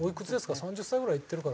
３０歳ぐらいいってるかな。